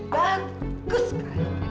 bagus bagus kak